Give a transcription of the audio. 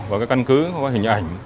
có cái căn cứ có cái hình ảnh